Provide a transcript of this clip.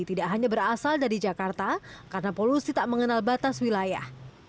tidak hanya berasal dari jakarta karena polusi tak mengenal batas wilayah